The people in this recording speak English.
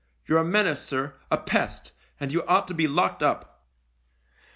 You're a menace, sir, a pest, and you ought to be locked up."